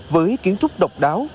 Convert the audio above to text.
với kiến trúc độc đáo